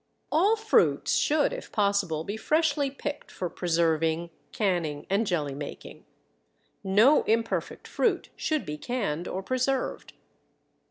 All fruits should, if possible, be freshly picked for preserving, canning, and jelly making. No imperfect fruit should be canned or preserved.